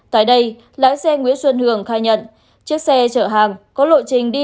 tại đây lái xe nguyễn xuân hường khai nhận chiếc xe chở hàng có lộ trình đi